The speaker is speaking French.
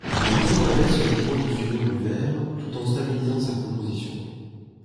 Le plomb abaisse le point de fusion du verre, tout en stabilisant sa composition.